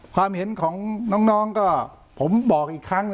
ความเห็นของน้องก็ผมบอกอีกครั้ง